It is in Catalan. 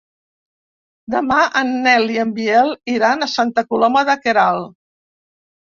Demà en Nel i en Biel iran a Santa Coloma de Queralt.